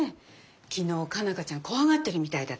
昨日佳奈花ちゃん怖がってるみたいだったし。